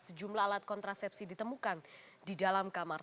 sejumlah alat kontrasepsi ditemukan di dalam kamar